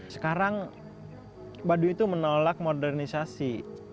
sekarang baduy itu menolak modernisasi